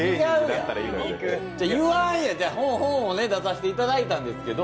本を出させていただいたんですけど。